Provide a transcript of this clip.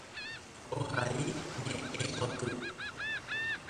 Ohai ñe'ẽpoty.